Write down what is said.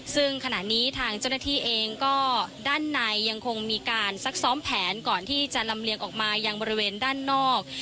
ซึ่งขณะนี้ทางเจ้าหน้าที่เองก็ด้านในยังคงมีการซักซ้อมแผนก่อนที่จะลำเลียงออกมายังบริเวณด้านนอก